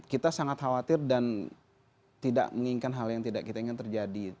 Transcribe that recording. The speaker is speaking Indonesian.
kita sangat khawatir dan tidak menginginkan hal yang tidak kita ingin terjadi